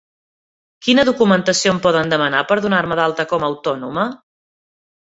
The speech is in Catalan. Quina documentació em poden demanar per donar-me d'alta com a autònoma?